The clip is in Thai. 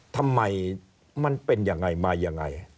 ทำไมมันเป็นยังไงมายังไง